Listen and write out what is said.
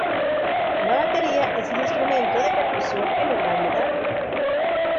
La batería es el instrumento de percusión en el rap metal.